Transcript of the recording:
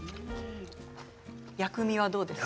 薬味はどうですか？